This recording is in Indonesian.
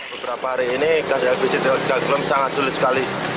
beberapa hari ini gas lpg tiga kg sangat sulit sekali